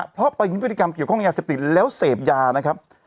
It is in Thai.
เพราะไปมีพฤติกรรมเกี่ยวข้องยาเสพติดแล้วเสพยานะครับ